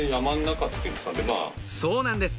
そうなんです